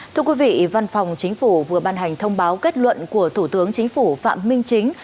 thưa quý vị văn phòng chính phủ vừa ban hành thông báo kết luận của thủ tướng chính phủ phạm minh chính